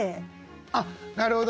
あっなるほど！